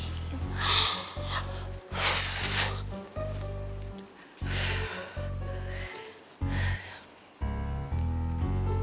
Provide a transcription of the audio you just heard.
ya alumni dua sore tangan